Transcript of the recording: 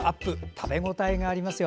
食べ応えがありますよ。